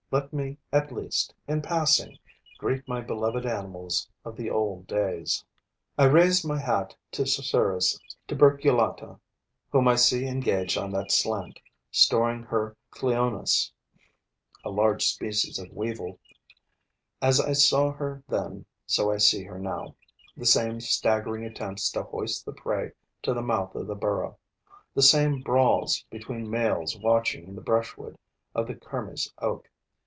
Let me, at least, in passing, greet my beloved animals of the old days. I raise my hat to Cerceris tuberculata, whom I see engaged on that slant, storing her Cleonus [a large species of weevil]. As I saw her then, so I see her now: the same staggering attempts to hoist the prey to the mouth of the burrow; the same brawls between males watching in the brushwood of the kermes oak.